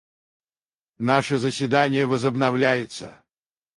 Наше заседание возобновляется.